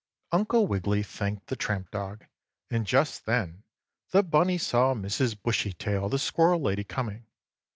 Uncle Wiggily thanked the tramp dog, and just then, the bunny saw Mrs. Bushytail, the squirrel lady coming.